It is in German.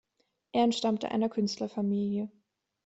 Er entstammte einer Künstlerfamilie.